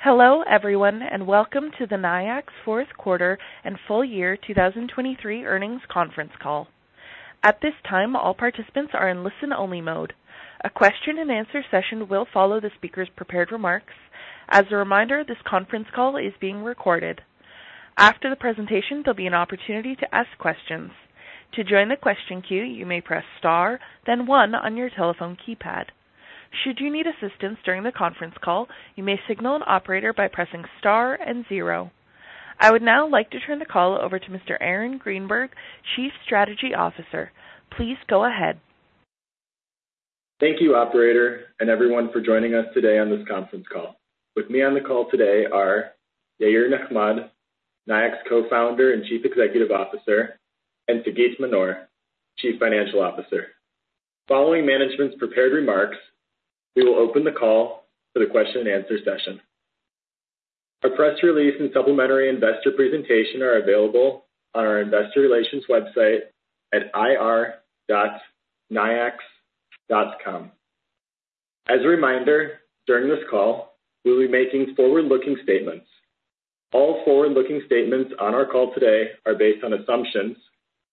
Hello, everyone, and welcome to the Nayax Fourth Quarter and Full Year 2023 Earnings Conference Call. At this time, all participants are in listen-only mode. A question and answer session will follow the speaker's prepared remarks. As a reminder, this conference call is being recorded. After the presentation, there'll be an opportunity to ask questions. To join the question queue, you may press Star, then one on your telephone keypad. Should you need assistance during the conference call, you may signal an operator by pressing Star and zero. I would now like to turn the call over to Mr. Aaron Greenberg, Chief Strategy Officer. Please go ahead. Thank you, operator, and everyone for joining us today on this conference call. With me on the call today are Yair Nechmad, Nayax Co-founder and Chief Executive Officer, and Sagit Manor, Chief Financial Officer. Following management's prepared remarks, we will open the call for the question and answer session. Our press release and supplementary investor presentation are available on our Investor Relations website at ir.nayax.com. As a reminder, during this call, we'll be making forward-looking statements. All forward-looking statements on our call today are based on assumptions,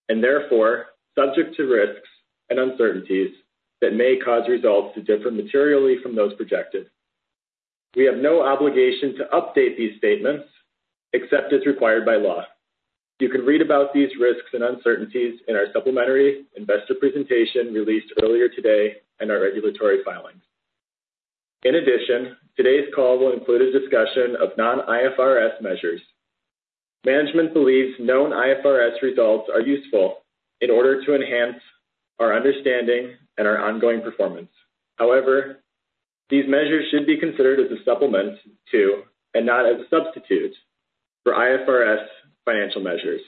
and therefore subject to risks and uncertainties that may cause results to differ materially from those projected. We have no obligation to update these statements, except as required by law. You can read about these risks and uncertainties in our supplementary investor presentation released earlier today in our regulatory filings. In addition, today's call will include a discussion of non-IFRS measures. Management believes non-IFRS results are useful in order to enhance our understanding and our ongoing performance. However, these measures should be considered as a supplement to, and not as a substitute, for IFRS financial measures.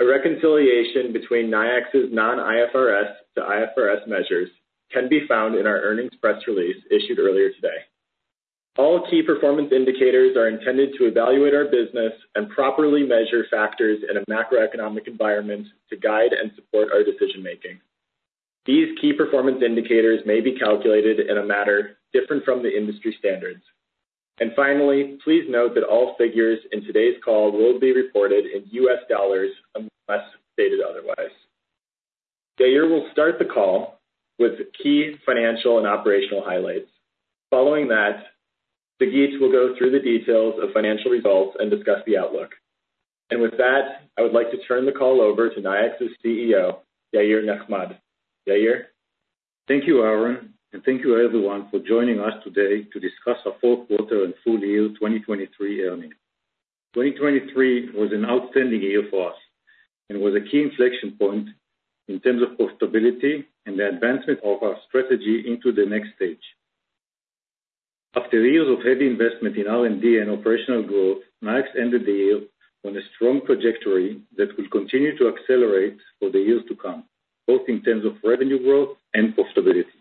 A reconciliation between Nayax's non-IFRS to IFRS measures can be found in our earnings press release issued earlier today. All key performance indicators are intended to evaluate our business and properly measure factors in a macroeconomic environment to guide and support our decision-making. These key performance indicators may be calculated in a matter different from the industry standards. Finally, please note that all figures in today's call will be reported in U.S. dollars unless stated otherwise. Yair will start the call with key financial and operational highlights. Following that, Sagit will go through the details of financial results and discuss the outlook. With that, I would like to turn the call over to Nayax's CEO, Yair Nechmad. Yair? Thank you, Aaron, and thank you everyone for joining us today to discuss our fourth quarter and full year 2023 earnings. 2023 was an outstanding year for us, and was a key inflection point in terms of profitability and the advancement of our strategy into the next stage. After years of heavy investment in R&D and operational growth, Nayax ended the year on a strong trajectory that will continue to accelerate for the years to come, both in terms of revenue growth and profitability.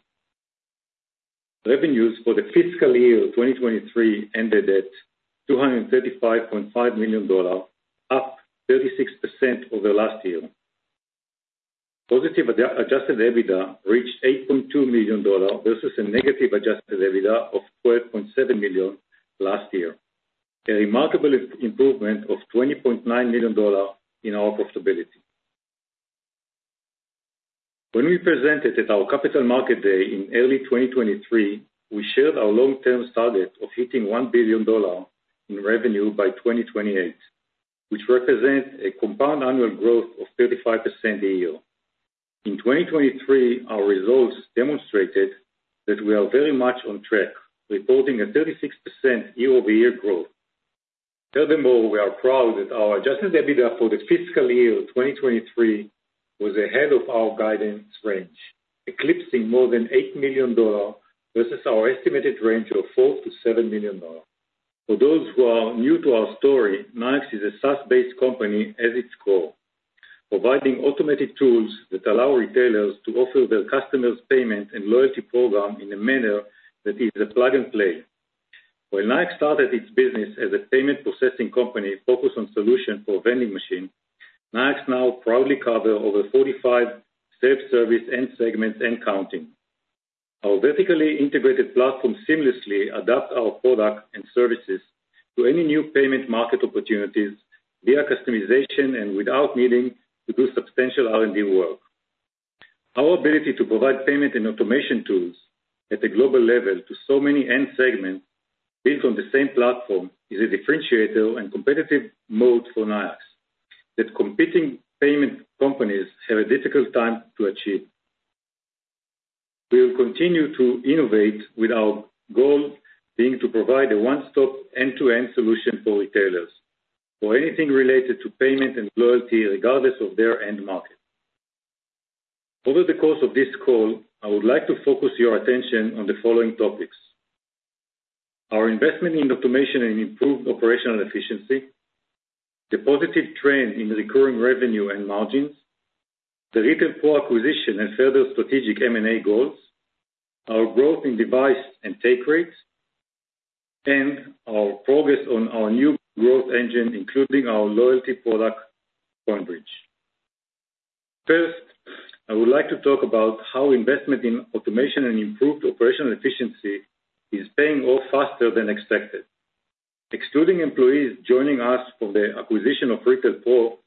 Revenues for the fiscal year 2023 ended at $235.5 million, up 36% over last year. Positive adjusted EBITDA reached $8.2 million versus a negative adjusted EBITDA of $12.7 million last year, a remarkable improvement of $20.9 million in our profitability. When we presented at our Capital Market Day in early 2023, we shared our long-term target of hitting $1 billion in revenue by 2028, which represent a compound annual growth of 35% a year. In 2023, our results demonstrated that we are very much on track, reporting a 36% year-over-year growth. Furthermore, we are proud that our adjusted EBITDA for the fiscal year 2023 was ahead of our guidance range, eclipsing more than $8 million versus our estimated range of $4 million-$7 million. For those who are new to our story, Nayax is a SaaS-based company at its core, providing automated tools that allow retailers to offer their customers payment and loyalty program in a manner that is a plug-and-play. When Nayax started its business as a payment processing company focused on solution for vending machine, Nayax now proudly cover over 45 self-service end segments and counting. Our vertically integrated platform seamlessly adapt our products and services to any new payment market opportunities via customization and without needing to do substantial R&D work. Our ability to provide payment and automation tools at a global level to so many end segments built on the same platform is a differentiator and competitive moat for Nayax, that competing payment companies have a difficult time to achieve. We will continue to innovate, with our goal being to provide a one-stop end-to-end solution for retailers for anything related to payment and loyalty, regardless of their end market. Over the course of this call, I would like to focus your attention on the following topics: our investment in automation and improved operational efficiency, the positive trend in recurring revenue and margins, the Retail Pro acquisition and further strategic M&A goals, our growth in device and take rates, and our progress on our new growth engine, including our loyalty product, CoinBridge. First, I would like to talk about how investment in automation and improved operational efficiency is paying off faster than expected. Excluding employees joining us from the acquisition of Retail Pro,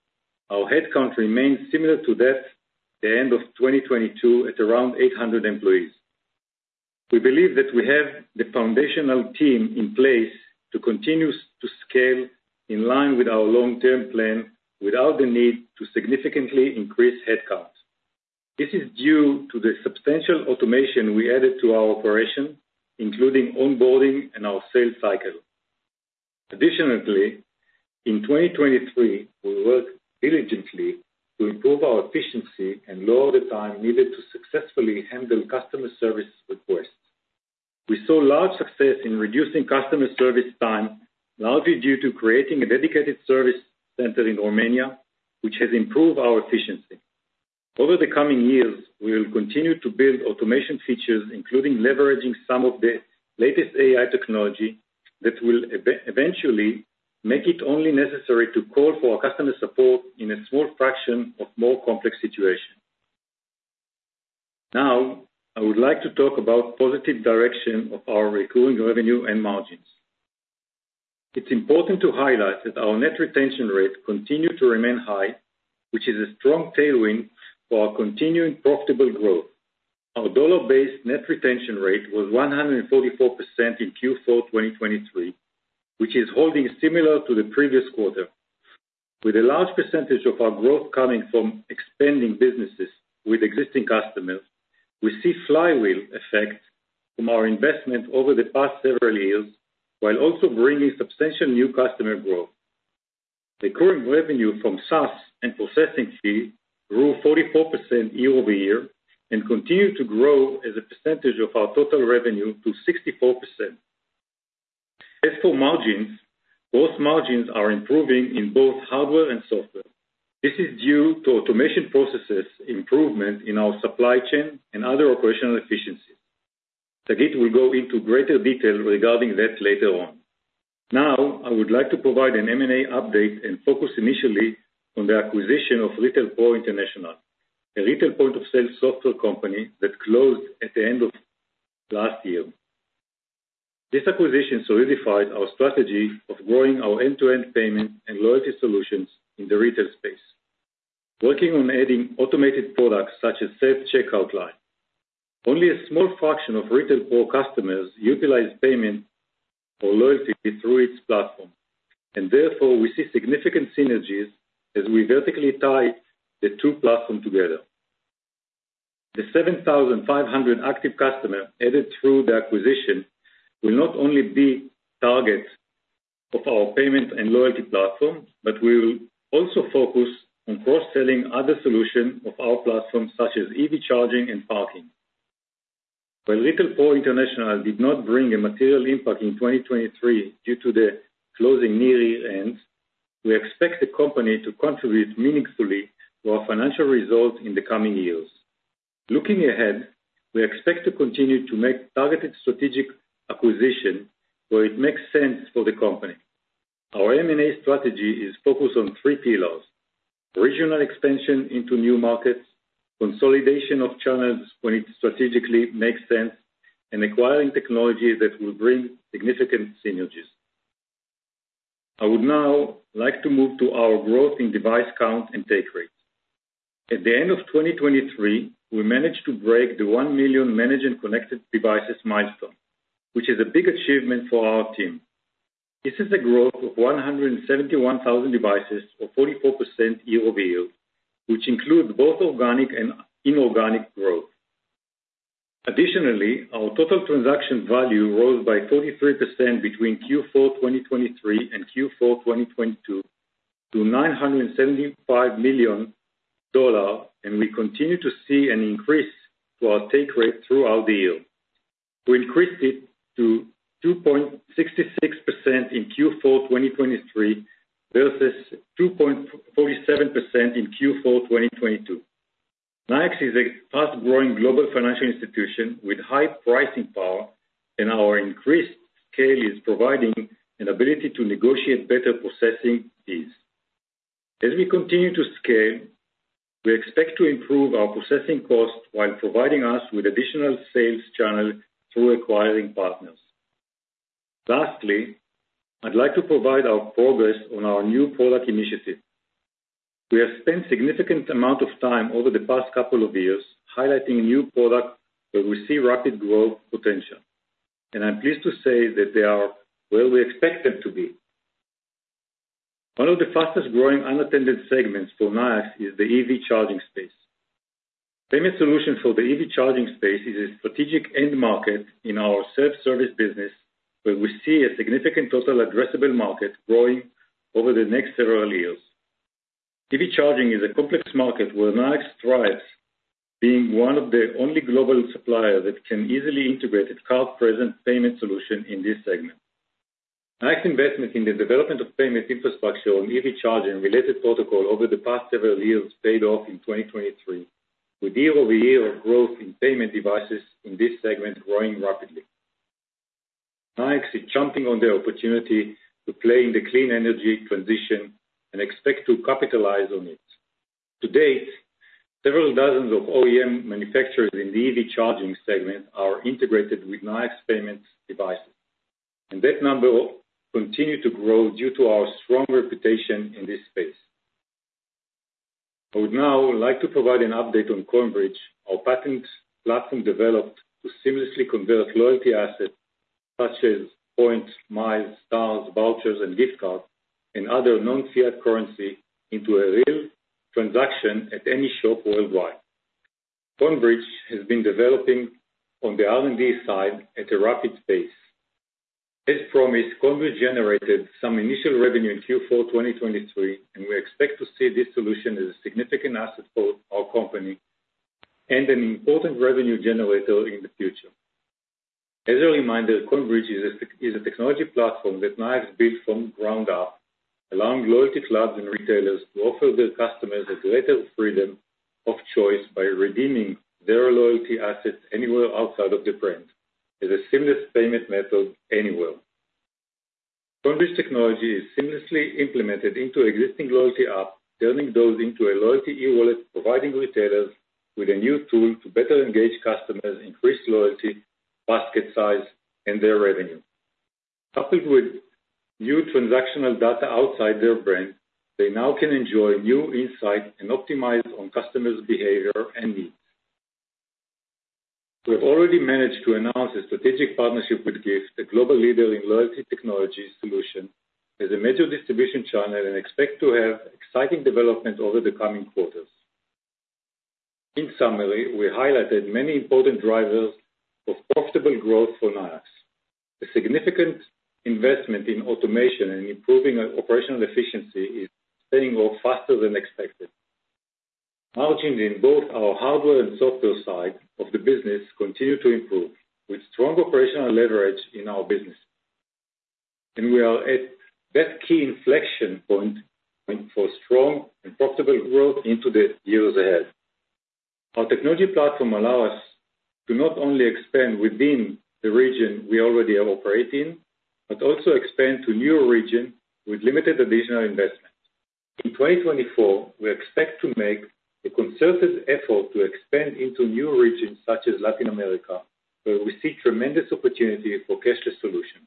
our headcount remains similar to that at the end of 2022 at around 800 employees. We believe that we have the foundational team in place to continue to scale in line with our long-term plan, without the need to significantly increase headcount. This is due to the substantial automation we added to our operation, including onboarding and our sales cycle. Additionally, in 2023, we worked diligently to improve our efficiency and lower the time needed to successfully handle customer service requests. We saw large success in reducing customer service time, largely due to creating a dedicated service center in Romania, which has improved our efficiency. Over the coming years, we will continue to build automation features, including leveraging some of the latest AI technology, that will eventually make it only necessary to call for our customer support in a small fraction of more complex situations. Now, I would like to talk about positive direction of our recurring revenue and margins. It's important to highlight that our net retention rate continue to remain high, which is a strong tailwind for our continuing profitable growth. Our Dollar-Based Net Retention Rate was 144% in Q4 2023, which is holding similar to the previous quarter. With a large percentage of our growth coming from expanding businesses with existing customers, we see flywheel effect from our investment over the past several years, while also bringing substantial new customer growth. The current revenue from SaaS and processing fee grew 44% year-over-year and continue to grow as a percentage of our total revenue to 64%. As for margins, both margins are improving in both hardware and software. This is due to automation processes improvement in our supply chain and other operational efficiencies. Sagit will go into greater detail regarding that later on. Now, I would like to provide an M&A update and focus initially on the acquisition of Retail Pro International, a retail point-of-sale software company that closed at the end of last year. This acquisition solidified our strategy of growing our end-to-end payment and loyalty solutions in the retail space, working on adding automated products such as self-checkout line. Only a small fraction of Retail Pro customers utilize payment or loyalty through its platform, and therefore we see significant synergies as we vertically tie the two platform together. The 7,500 active customer added through the acquisition will not only be targets of our payment and loyalty platform, but we will also focus on cross-selling other solution of our platform, such as EV charging and parking. While Retail Pro International did not bring a material impact in 2023 due to the closing near year-end, we expect the company to contribute meaningfully to our financial results in the coming years. Looking ahead, we expect to continue to make targeted strategic acquisitions where it makes sense for the company. Our M&A strategy is focused on three pillars: regional expansion into new markets, consolidation of channels when it strategically makes sense, and acquiring technology that will bring significant synergies. I would now like to move to our growth in device count and take rate. At the end of 2023, we managed to break the 1 million managed and connected devices milestone, which is a big achievement for our team. This is a growth of 171,000 devices, or 44% year-over-year, which includes both organic and inorganic growth. Additionally, our total transaction value rose by 43% between Q4 2023 and Q4 2022 to $975 million, and we continue to see an increase to our take rate throughout the year. We increased it to 2.66% in Q4 2023, versus 2.47% in Q4 2022. Nayax is a fast-growing global financial institution with high pricing power, and our increased scale is providing an ability to negotiate better processing fees. As we continue to scale, we expect to improve our processing cost while providing us with additional sales channel through acquiring partners. Lastly, I'd like to provide our progress on our new product initiative. We have spent significant amount of time over the past couple of years highlighting new product where we see rapid growth potential, and I'm pleased to say that they are where we expect them to be. One of the fastest growing unattended segments for Nayax is the EV charging space. Payment solution for the EV charging space is a strategic end market in our self-service business, where we see a significant total addressable market growing over the next several years. EV charging is a complex market, where Nayax thrives, being one of the only global supplier that can easily integrate its card-present payment solution in this segment. Nayax investment in the development of payment infrastructure on EV charging and related protocol over the past several years paid off in 2023, with year-over-year growth in payment devices in this segment growing rapidly. Nayax is jumping on the opportunity to play in the clean energy transition and expect to capitalize on it. To date, several dozens of OEM manufacturers in the EV charging segment are integrated with Nayax payment devices, and that number will continue to grow due to our strong reputation in this space. I would now like to provide an update on CoinBridge, our patented platform developed to seamlessly convert loyalty assets such as points, miles, stars, vouchers, and gift cards, and other non-fiat currency into a real transaction at any shop worldwide. CoinBridge has been developing on the R&D side at a rapid pace. As promised, CoinBridge generated some initial revenue in Q4 2023, and we expect to see this solution as a significant asset for our company and an important revenue generator in the future. As a reminder, CoinBridge is a technology platform that Nayax built from ground up, allowing loyalty clubs and retailers to offer their customers a greater freedom of choice by redeeming their loyalty assets anywhere outside of the brand, as a seamless payment method anywhere. CoinBridge technology is seamlessly implemented into existing loyalty app, turning those into a loyalty e-wallet, providing retailers with a new tool to better engage customers, increase loyalty, basket size, and their revenue. Coupled with new transactional data outside their brand, they now can enjoy new insight and optimize on customers' behavior and needs. We have already managed to announce a strategic partnership with Giift, a global leader in loyalty technology solution, as a major distribution channel and expect to have exciting development over the coming quarters. In summary, we highlighted many important drivers of profitable growth for Nayax. A significant investment in automation and improving our operational efficiency is paying off faster than expected. Margins in both our hardware and software side of the business continue to improve, with strong operational leverage in our business. We are at that key inflection point for strong and profitable growth into the years ahead. Our technology platform allows us to not only expand within the regions we already operate in, but also expand to new regions with limited additional investment. In 2024, we expect to make a concerted effort to expand into new regions such as Latin America, where we see tremendous opportunity for cashless solutions.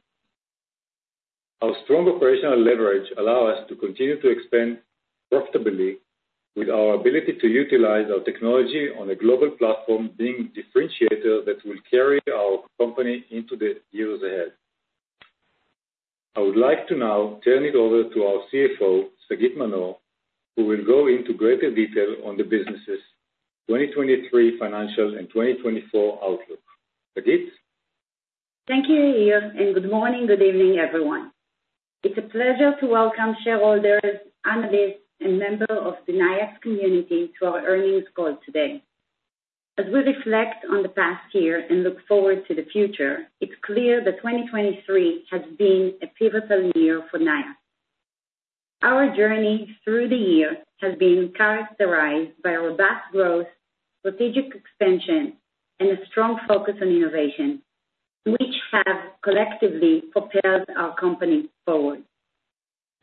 Our strong operational leverage allows us to continue to expand profitably, with our ability to utilize our technology on a global platform being a differentiator that will carry our company into the years ahead. I would like to now turn it over to our CFO, Sagit Manor, who will go into greater detail on the businesses' 2023 financials and 2024 outlook. Sagit? Thank you, Yair, and good morning, good evening, everyone. It's a pleasure to welcome shareholders, analysts, and member of the Nayax community to our earnings call today. As we reflect on the past year and look forward to the future, it's clear that 2023 has been a pivotal year for Nayax. Our journey through the year has been characterized by our vast growth, strategic expansion, and a strong focus on innovation, which have collectively propelled our company forward.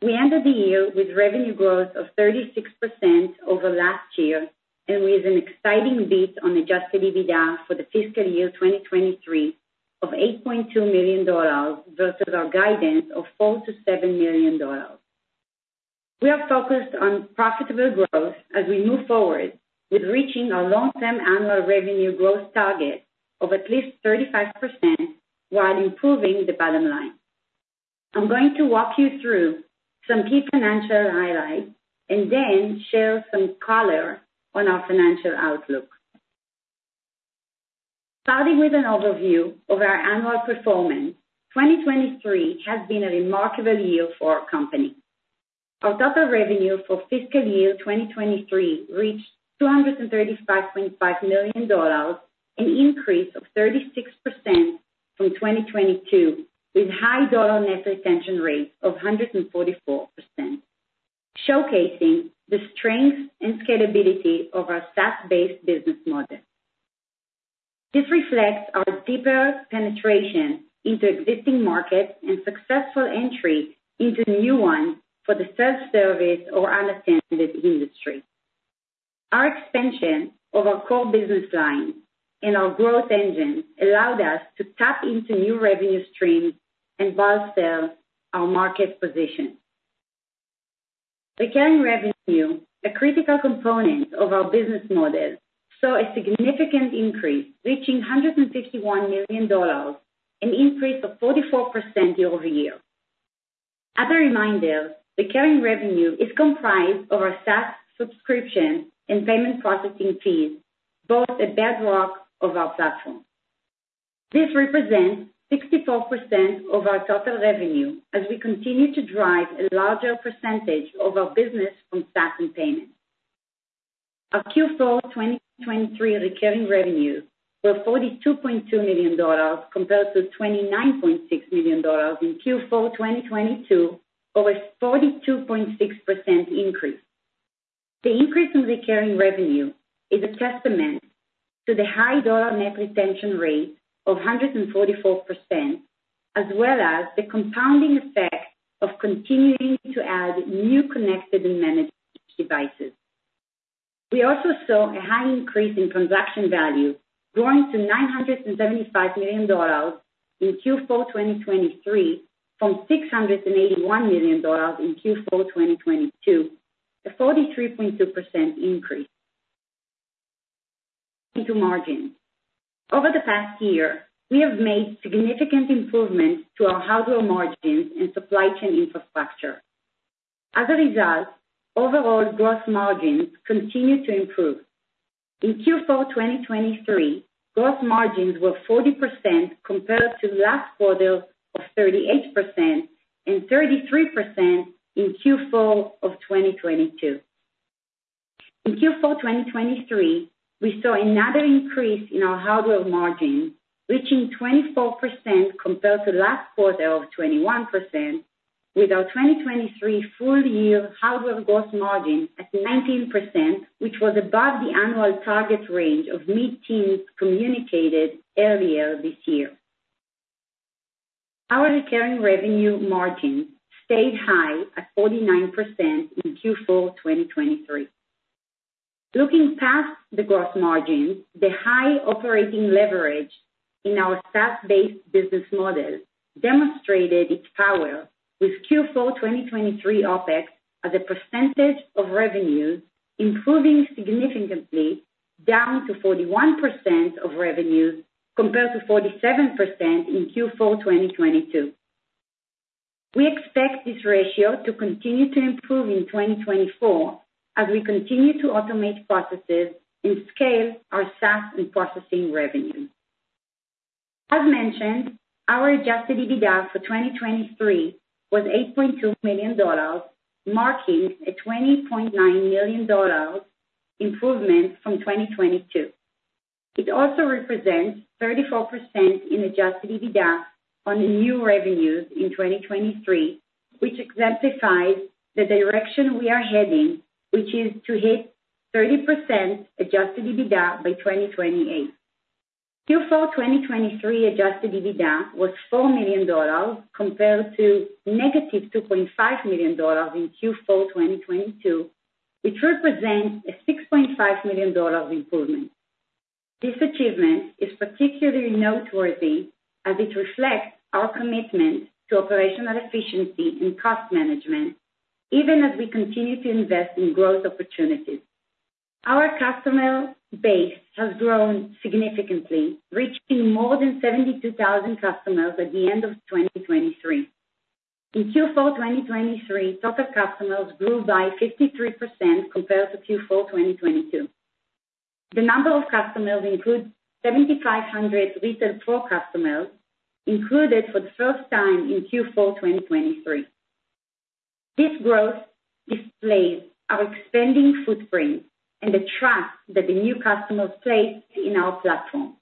We ended the year with revenue growth of 36% over last year, and with an exciting beat on Adjusted EBITDA for the fiscal year 2023 of $8.2 million, versus our guidance of $4 million-$7 million. We are focused on profitable growth as we move forward with reaching our long-term annual revenue growth target of at least 35%, while improving the bottom line. I'm going to walk you through some key financial highlights, and then share some color on our financial outlook. Starting with an overview of our annual performance, 2023 has been a remarkable year for our company. Our total revenue for fiscal year 2023 reached $235.5 million, an increase of 36% from 2022, with high dollar net retention rates of 144%, showcasing the strength and scalability of our SaaS-based business model. This reflects our deeper penetration into existing markets and successful entry into new ones for the self-service or unattended industry. Our expansion of our core business line and our growth engine allowed us to tap into new revenue streams and bolster our market position. Recurring revenue, a critical component of our business model, saw a significant increase, reaching $161 million, an increase of 44% year-over-year. As a reminder, recurring revenue is comprised of our SaaS subscription and payment processing fees, both the bedrock of our platform. This represents 64% of our total revenue as we continue to drive a larger percentage of our business from SaaS and payment. Our Q4 2023 recurring revenue were $42.2 million, compared to $29.6 million in Q4 2022, over 42.6% increase. The increase in the recurring revenue is a testament to the high dollar net retention rate of 144%, as well as the compounding effect of continuing to add new connected and managed devices. We also saw a high increase in transaction value, growing to $975 million in Q4 2023, from $681 million in Q4 2022, a 43.2% increase into margin. Over the past year, we have made significant improvements to our hardware margins and supply chain infrastructure. As a result, overall gross margins continued to improve. In Q4 2023, gross margins were 40% compared to last quarter of 38% and 33% in Q4 of 2022. In Q4 2023, we saw another increase in our hardware margin, reaching 24% compared to last quarter of 21%, with our 2023 full year hardware gross margin at 19%, which was above the annual target range of mid-teens communicated earlier this year. Our recurring revenue margin stayed high at 49% in Q4 2023. Looking past the gross margin, the high operating leverage in our SaaS-based business model demonstrated its power, with Q4 2023 OpEx as a percentage of revenue, improving significantly, down to 41% of revenue, compared to 47% in Q4 2022. We expect this ratio to continue to improve in 2024 as we continue to automate processes and scale our SaaS and processing revenue. As mentioned, our adjusted EBITDA for 2023 was $8.2 million, marking a $20.9 million improvement from 2022. It also represents 34% in adjusted EBITDA on the new revenues in 2023, which exemplifies the direction we are heading, which is to hit 30% adjusted EBITDA by 2028. Q4 2023 Adjusted EBITDA was $4 million, compared to -$2.5 million in Q4 2022, which represents a $6.5 million improvement. This achievement is particularly noteworthy as it reflects our commitment to operational efficiency and cost management, even as we continue to invest in growth opportunities. Our customer base has grown significantly, reaching more than 72,000 customers at the end of 2023. In Q4 2023, total customers grew by 53% compared to Q4 2022. The number of customers includes 7,500 Retail Pro customers, included for the first time in Q4 2023. This growth displays our expanding footprint and the trust that the new customers place in our platform.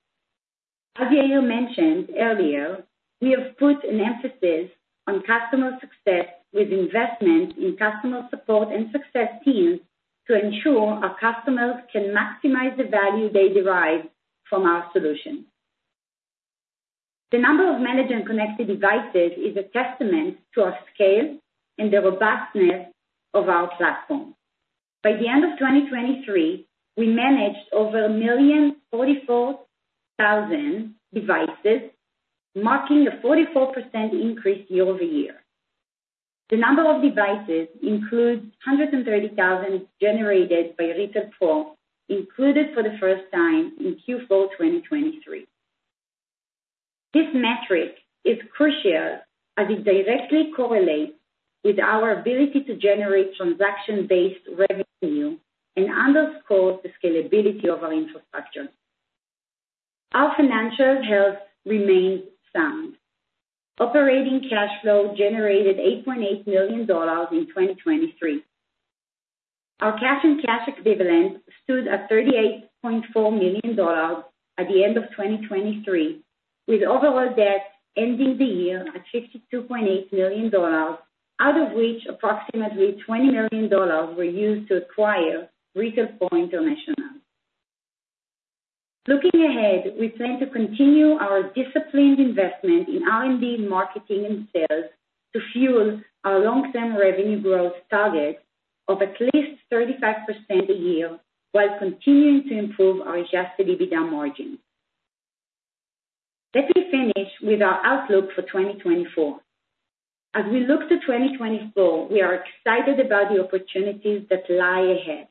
As Yair mentioned earlier, we have put an emphasis on customer success with investment in customer support and success teams to ensure our customers can maximize the value they derive from our solution. The number of Managed and Connected Devices is a testament to our scale and the robustness of our platform. By the end of 2023, we managed over 1,044,000 devices, marking a 44% increase year-over-year. The number of devices includes 130,000 generated by Retail Pro, included for the first time in Q4 2023. This metric is crucial as it directly correlates with our ability to generate transaction-based revenue and underscores the scalability of our infrastructure. Our financial health remains sound. Operating cash flow generated $8.8 million in 2023. Our cash and cash equivalents stood at $38.4 million at the end of 2023, with overall debt ending the year at $62.8 million, out of which approximately $20 million were used to acquire Retail Pro International. Looking ahead, we plan to continue our disciplined investment in R&D, marketing, and sales to fuel our long-term revenue growth target of at least 35% a year, while continuing to improve our adjusted EBITDA margin. Let me finish with our outlook for 2024. As we look to 2024, we are excited about the opportunities that lie ahead.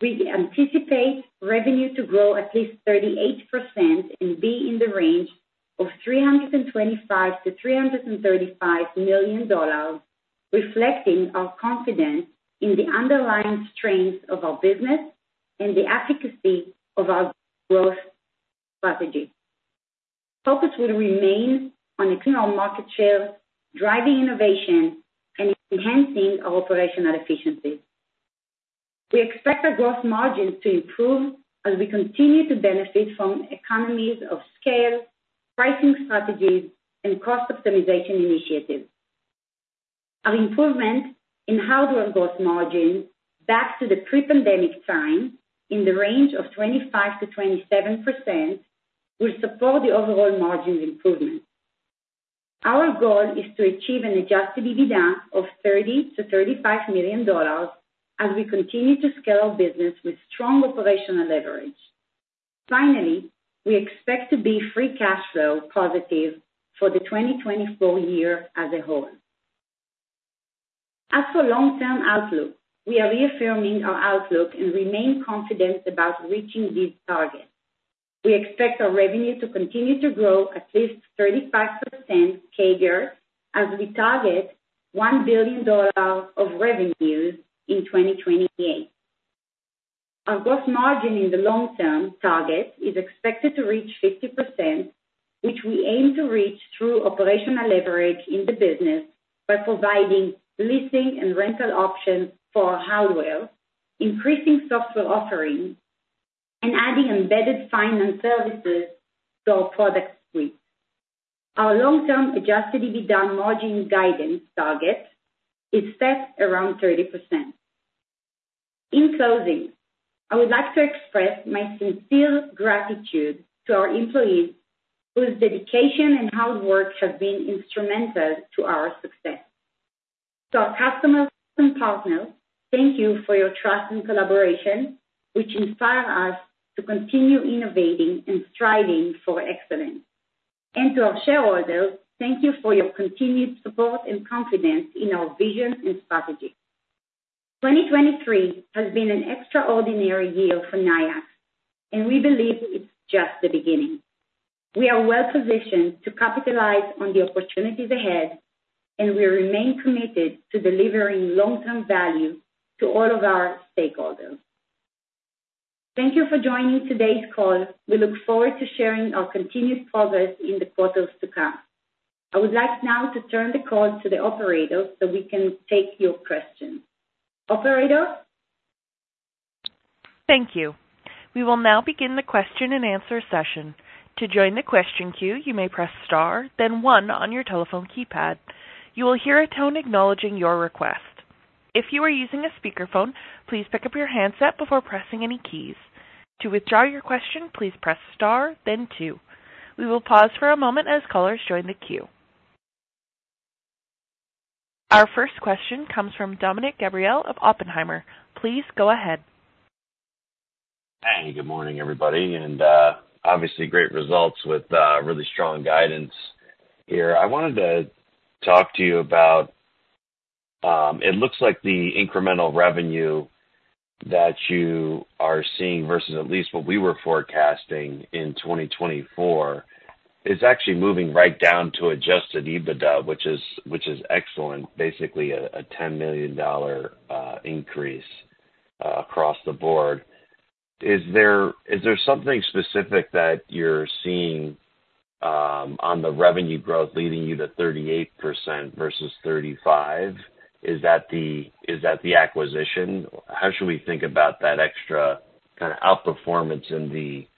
We anticipate revenue to grow at least 38% and be in the range of $325 million-$335 million, reflecting our confidence in the underlying strength of our business and the efficacy of our growth strategy. Focus will remain on increasing our market share, driving innovation, and enhancing our operational efficiency. We expect our gross margin to improve as we continue to benefit from economies of scale, pricing strategies, and cost optimization initiatives. Our improvement in hardware gross margin back to the pre-pandemic time, in the range of 25%-27%, will support the overall margins improvement. Our goal is to achieve an Adjusted EBITDA of $30 million-$35 million as we continue to scale business with strong operational leverage. Finally, we expect to be free cash flow positive for the 2024 year as a whole. As for long-term outlook, we are reaffirming our outlook and remain confident about reaching these targets. We expect our revenue to continue to grow at least 35% CAGR, as we target $1 billion of revenues in 2028. Our gross margin in the long-term target is expected to reach 50%, which we aim to reach through operational leverage in the business by providing leasing and rental options for hardware, increasing software offerings, and adding embedded finance services to our product suite. Our long-term Adjusted EBITDA margin guidance target is set around 30%. In closing, I would like to express my sincere gratitude to our employees, whose dedication and hard work have been instrumental to our success. To our customers and partners, thank you for your trust and collaboration, which inspire us to continue innovating and striving for excellence. And to our shareholders, thank you for your continued support and confidence in our vision and strategy. 2023 has been an extraordinary year for Nayax, and we believe it's just the beginning. We are well positioned to capitalize on the opportunities ahead, and we remain committed to delivering long-term value to all of our stakeholders. Thank you for joining today's call. We look forward to sharing our continued progress in the quarters to come. I would like now to turn the call to the operator, so we can take your questions. Operator? Thank you. We will now begin the question-and-answer session. To join the question queue, you may press star, then one on your telephone keypad. You will hear a tone acknowledging your request. If you are using a speakerphone, please pick up your handset before pressing any keys. To withdraw your question, please press star then two. We will pause for a moment as callers join the queue. Our first question comes from Dominick Gabriele of Oppenheimer. Please go ahead. Hey, good morning, everybody, and obviously great results with really strong guidance here. I wanted to talk to you about. It looks like the incremental revenue that you are seeing versus at least what we were forecasting in 2024 is actually moving right down to Adjusted EBITDA, which is excellent. Basically a $10 million increase across the board. Is there something specific that you're seeing on the revenue growth leading you to 38% versus 35%? Is that the acquisition? How should we think about that extra kind of outperformance in the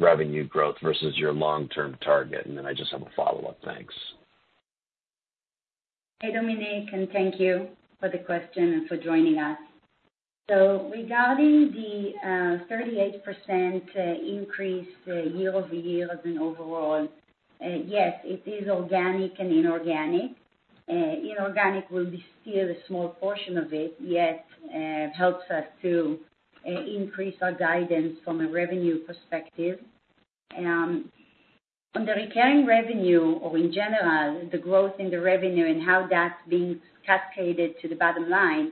revenue growth versus your long-term target? And then I just have a follow-up. Thanks. Hey, Dominic, and thank you for the question and for joining us. So regarding the 38% increase year-over-year as in overall, yes, it is organic and inorganic. Inorganic will be still a small portion of it, yet, helps us to increase our guidance from a revenue perspective. On the recurring revenue, or in general, the growth in the revenue and how that's being cascaded to the bottom line,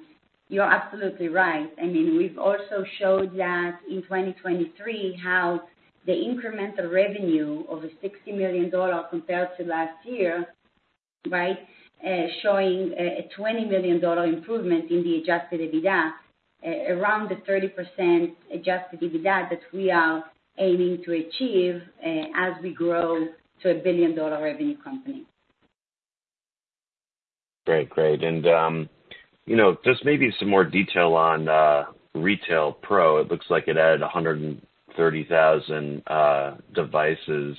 you're absolutely right. I mean, we've also showed that in 2023, how the incremental revenue of $60 million compared to last year, right, showing a $20 million improvement in the adjusted EBITDA, around the 30% adjusted EBITDA that we are aiming to achieve, as we grow to a billion-dollar revenue company. Great. Great. And, you know, just maybe some more detail on, Retail Pro. It looks like it added 130,000 devices,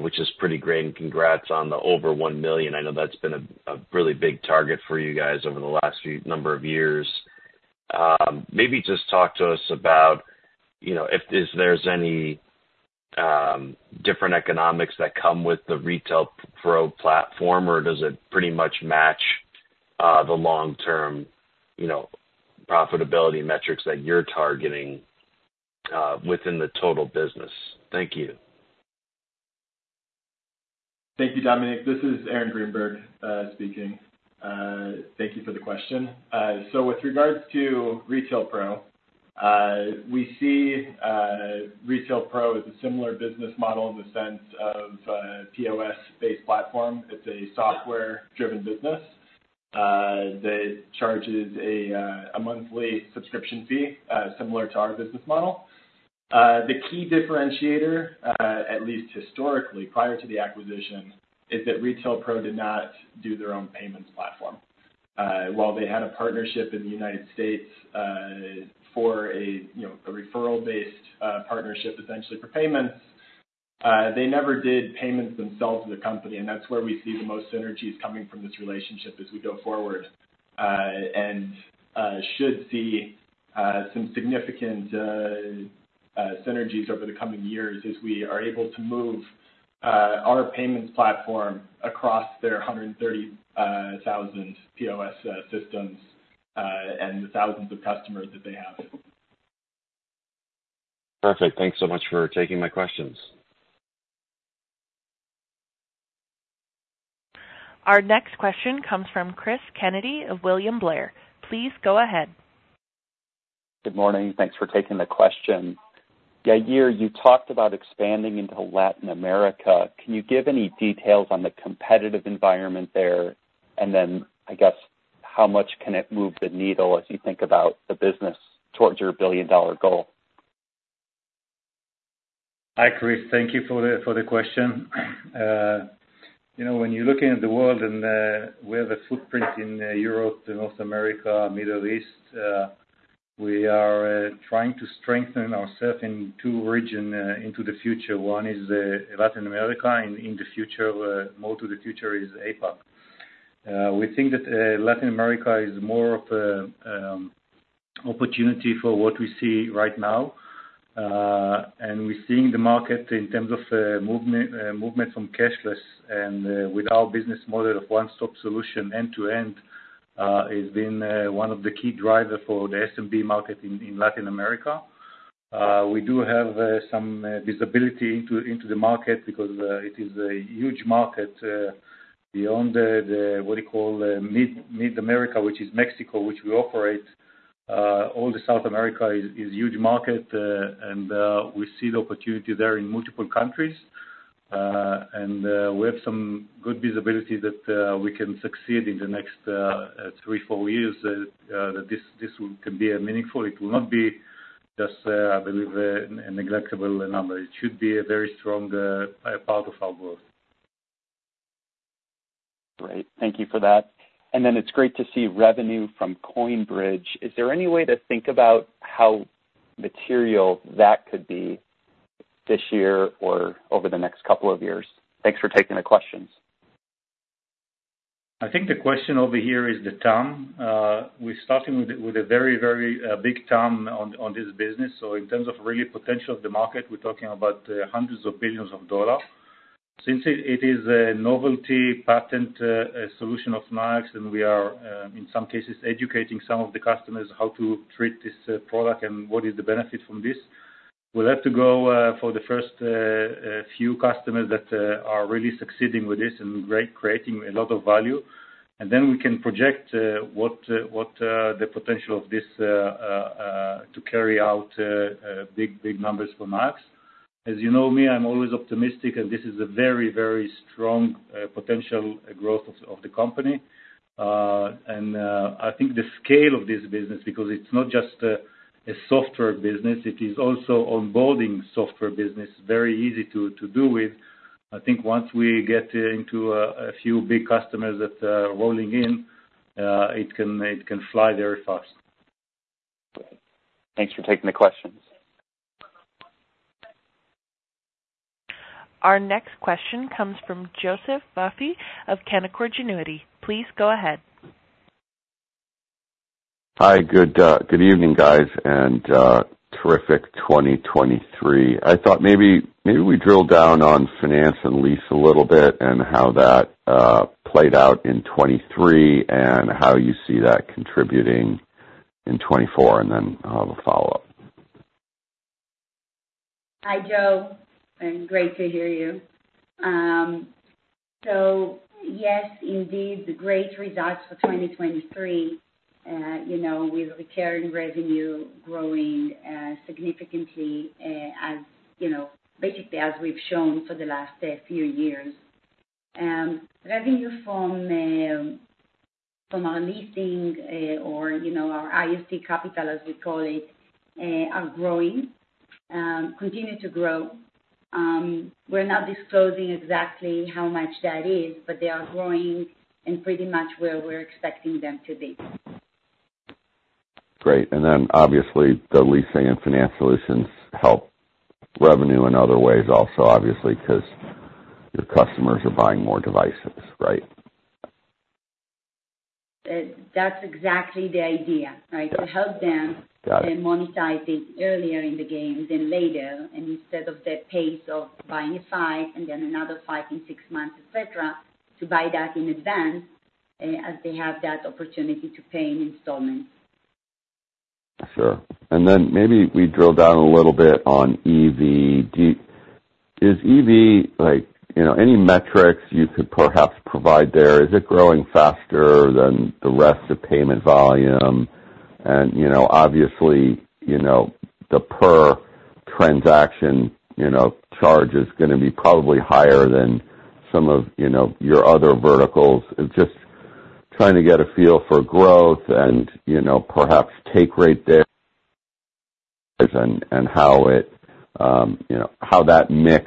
which is pretty great, and congrats on the over 1 million. I know that's been a really big target for you guys over the last few number of years. Maybe just talk to us about, you know, if there's any different economics that come with the Retail Pro platform, or does it pretty much match the long-term, you know, profitability metrics that you're targeting within the total business? Thank you. Thank you, Dominic. This is Aaron Greenberg, speaking. Thank you for the question. So with regards to Retail Pro, we see Retail Pro as a similar business model in the sense of a POS-based platform. It's a software-driven business that charges a monthly subscription fee, similar to our business model. The key differentiator, at least historically, prior to the acquisition, is that Retail Pro did not do their own payments platform. While they had a partnership in the United States, for a, you know, referral-based partnership, essentially for payments, they never did payments themselves as a company, and that's where we see the most synergies coming from this relationship as we go forward. And should see some significant synergies over the coming years as we are able to move our payments platform across their 130,000 POS systems and the thousands of customers that they have. Perfect. Thanks so much for taking my questions. Our next question comes from Cris Kennedy of William Blair. Please go ahead. Good morning. Thanks for taking the question. Yair, you talked about expanding into Latin America. Can you give any details on the competitive environment there? And then, I guess, how much can it move the needle as you think about the business towards your billion-dollar goal? Hi, Chris. Thank you for the, for the question. You know, when you're looking at the world and, we have a footprint in Europe, North America, Middle East, we are, trying to strengthen ourselves in two region, into the future. One is, Latin America, and in the future, more to the future is APAC. We think that, Latin America is more of a, opportunity for what we see right now. And we're seeing the market in terms of, movement, movement from cashless and, with our business model of one-stop solution, end-to-end, has been, one of the key drivers for the SMB market in, in Latin America. We do have some visibility into the market because it is a huge market beyond the what do you call Mid-America, which is Mexico, which we operate. All the South America is huge market, and we see the opportunity there in multiple countries. We have some good visibility that we can succeed in the next 3-4 years, that this can be meaningful. It will not be just, I believe, a negligible number. It should be a very strong part of our growth. Great. Thank you for that. And then it's great to see revenue from CoinBridge. Is there any way to think about how material that could be this year or over the next couple of years? Thanks for taking the questions. I think the question over here is the TAM. We're starting with a very, very big TAM on this business. So in terms of really potential of the market, we're talking about hundreds of billions of dollars. Since it is a novelty patent solution of Nayax, and we are in some cases educating some of the customers how to treat this product and what is the benefit from this, we'll have to go for the first few customers that are really succeeding with this and creating a lot of value. And then we can project what the potential of this to carry out big, big numbers for Nayax. As you know me, I'm always optimistic, and this is a very, very strong potential growth of the company. And I think the scale of this business, because it's not just a software business, it is also onboarding software business, very easy to do with. I think once we get into a few big customers that are rolling in, it can fly very fast. Thanks for taking the questions. Our next question comes from Joseph Vafi of Canaccord Genuity. Please go ahead. Hi, good evening, guys, and terrific 2023. I thought maybe we drill down on finance and lease a little bit and how that played out in 2023, and how you see that contributing in 2024, and then I'll have a follow-up. Hi, Joe, and great to hear you. So yes, indeed, the great results for 2023. You know, with recurring revenue growing significantly, as you know, basically as we've shown for the last few years. Revenue from our leasing, or you know, our Nayax Capital, as we call it, are growing, continue to grow. We're not disclosing exactly how much that is, but they are growing and pretty much where we're expecting them to be. Great. And then, obviously, the leasing and finance solutions help revenue in other ways also, obviously, because your customers are buying more devices, right? That's exactly the idea, right? Yeah. To help them- Got it. monetize it earlier in the game than later, and instead of the pace of buying five and then another five in six months, et cetera, to buy that in advance, as they have that opportunity to pay in installments. Sure. And then maybe we drill down a little bit on EV. Is EV like, you know, any metrics you could perhaps provide there? Is it growing faster than the rest of payment volume? And, you know, obviously, you know, the per transaction, you know, charge is gonna be probably higher than some of, you know, your other verticals. Just trying to get a feel for growth and, you know, perhaps take rate there, and how it, you know, how that mix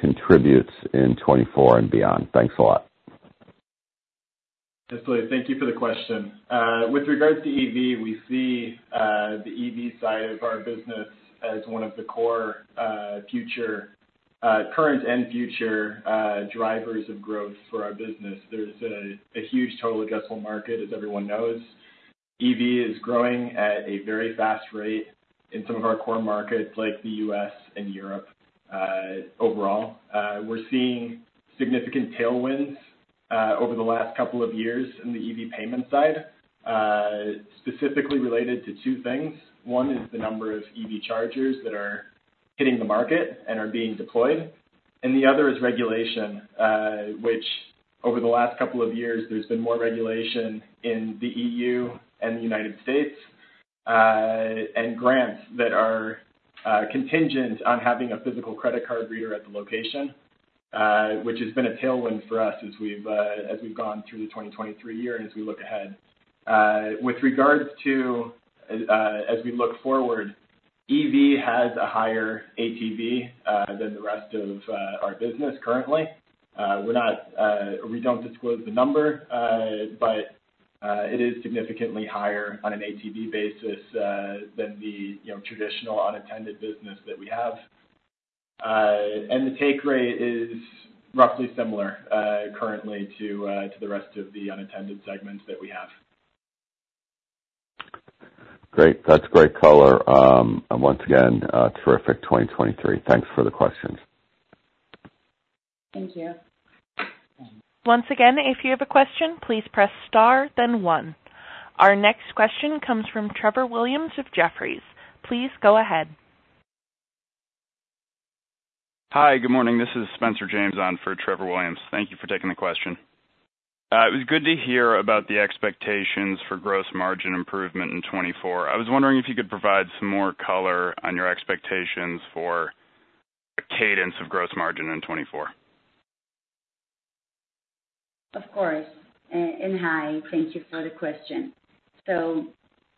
contributes in 2024 and beyond? Thanks a lot. Absolutely. Thank you for the question. With regards to EV, we see the EV side of our business as one of the core, future, current and future, drivers of growth for our business. There's a huge total addressable market, as everyone knows. EV is growing at a very fast rate in some of our core markets, like the U.S. and Europe. Overall, we're seeing significant tailwinds over the last couple of years in the EV payment side, specifically related to two things. One is the number of EV chargers that are hitting the market and are being deployed, and the other is regulation, which over the last couple of years, there's been more regulation in the EU and the United States, and grants that are contingent on having a physical credit card reader at the location, which has been a tailwind for us as we've gone through the 2023 year and as we look ahead. With regards to, as we look forward, EV has a higher ATV than the rest of our business currently. We're not, we don't disclose the number, but it is significantly higher on an ATV basis than the, you know, traditional unattended business that we have. The take rate is roughly similar, currently to the rest of the unattended segments that we have. Great. That's great color. And once again, terrific 2023. Thanks for the questions. Thank you. Once again, if you have a question, please press star, then one. Our next question comes from Trevor Williams of Jefferies. Please go ahead. Hi, good morning. This is Spencer James on for Trevor Williams. Thank you for taking the question. It was good to hear about the expectations for gross margin improvement in 2024. I was wondering if you could provide some more color on your expectations for cadence of gross margin in 2024. Of course, and hi, thank you for the question. So,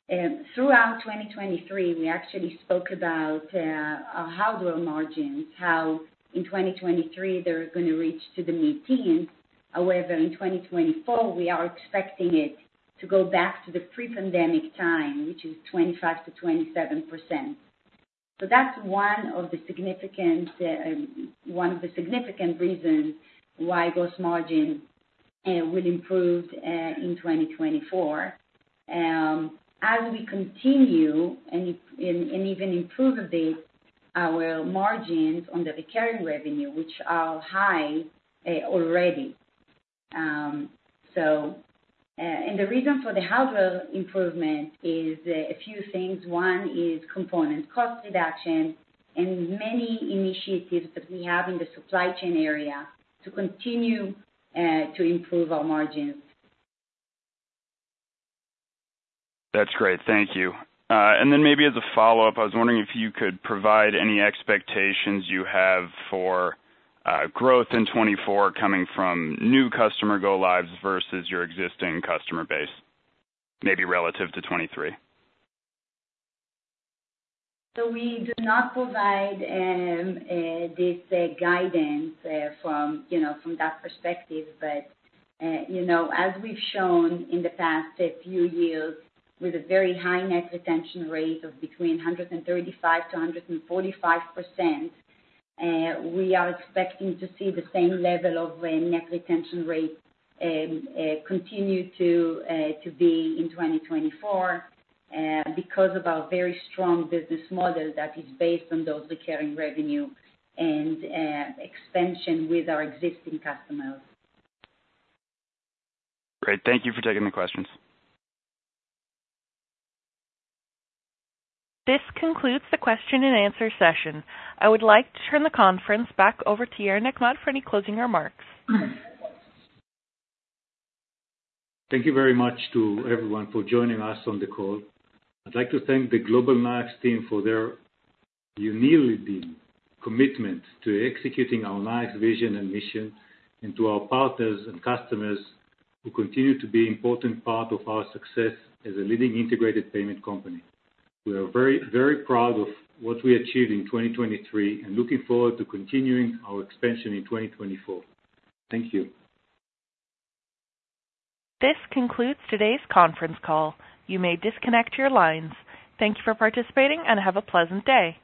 throughout 2023, we actually spoke about our hardware margins, how in 2023, they're gonna reach to the mid-teens. However, in 2024, we are expecting it to go back to the pre-pandemic time, which is 25%-27%. So that's one of the significant reasons why gross margin will improve in 2024. As we continue and even improve our margins on the recurring revenue, which are high already. So, the reason for the hardware improvement is a few things. One is component cost reduction and many initiatives that we have in the supply chain area to continue to improve our margins. That's great, thank you. Then maybe as a follow-up, I was wondering if you could provide any expectations you have for growth in 2024 coming from new customer go lives versus your existing customer base, maybe relative to 2023. So we do not provide this guidance from, you know, from that perspective. But, you know, as we've shown in the past a few years, with a very high net retention rate of between 135%-145%, we are expecting to see the same level of net retention rate continue to be in 2024, because of our very strong business model that is based on those recurring revenue and expansion with our existing customers. Great, thank you for taking the questions. This concludes the question and answer session. I would like to turn the conference back over to Yair Nechmad for any closing remarks. Thank you very much to everyone for joining us on the call. I'd like to thank the Nayax team for their unique commitment to executing our long vision and mission, and to our partners and customers, who continue to be important part of our success as a leading integrated payment company. We are very, very proud of what we achieved in 2023 and looking forward to continuing our expansion in 2024. Thank you. This concludes today's conference call. You may disconnect your lines. Thank you for participating and have a pleasant day.